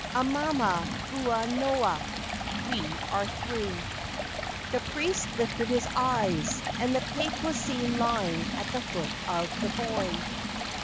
Amama ua noa (we are through]! " The priest lifted his eyes, and the pig was seen lying at the foot of the boy.